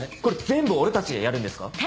これ全部俺たちでやるんですか？